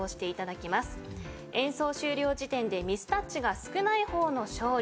演奏終了時点でミスタッチが少ない方の勝利。